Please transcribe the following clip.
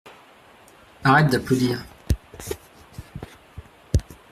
Arrête d’applaudir.